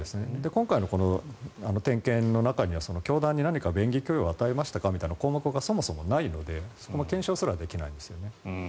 今回の点検の中には教団に何か便宜供与を与えましたかみたいな項目がそもそもないのでそこの検証すらできないんですよね。